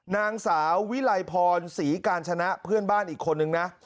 นางสาววิไลพรศรีกาญชนะเพื่อนบ้านอีกคนนึงนะ